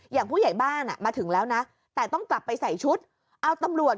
อย่างผู้ใหญ่บ้านอ่ะมาถึงแล้วนะแต่ต้องกลับไปใส่ชุดเอาตำรวจ